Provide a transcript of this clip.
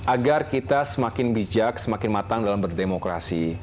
agar kita semakin bijak semakin matang dalam berdemokrasi